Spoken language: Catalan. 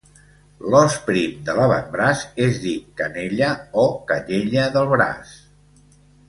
L'os prim de l'avantbraç és dit canella o canyella del braç.